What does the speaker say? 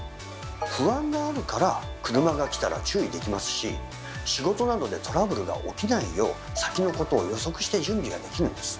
不安があるから車が来たら注意できますし仕事などでトラブルが起きないよう先のことを予測して準備ができるんです。